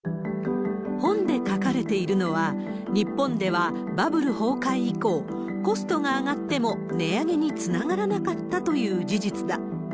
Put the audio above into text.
本で書かれているのは、日本ではバブル崩壊以降、コストが上がっても値上げにつながらなかったという事実だ。